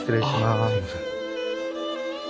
あっすいません。